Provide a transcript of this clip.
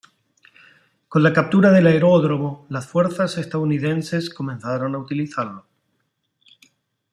Con la captura del aeródromo, las fuerzas estadounidenses comenzaron a utilizarlo.